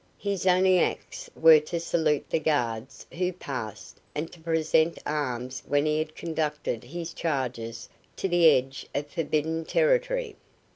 His only acts were to salute the guards who passed and to present arms when he had conducted his charges to the edge of forbidden territory.